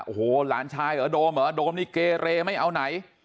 โอ้โหหลานชายเหรอโดมเหรอโดมนี่เกเรไม่เอาไหน